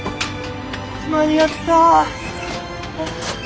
間に合ったぁ。